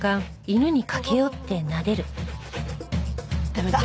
駄目だ。